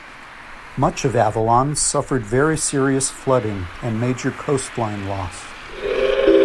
Much of Avalon suffered very serious flooding and major coastline loss.